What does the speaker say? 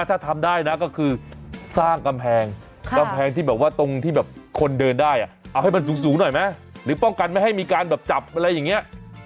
ถ้าทำได้นะก็คือสร้างกำแพงกำแพงที่แบบว่าตรงที่แบบคนเดินได้เอาให้มันสูงหน่อยไหมหรือป้องกันไม่ให้มีการแบบจับอะไรอย่างนี้